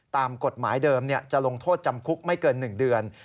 ตามกฎหมายเดิมจะลงโทษจำคุกไม่เกิน๑เดือน